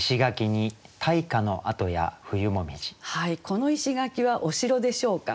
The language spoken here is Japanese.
この石垣はお城でしょうか。